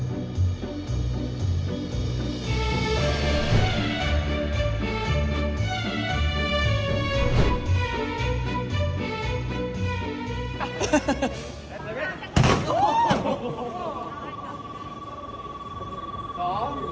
โอ้โห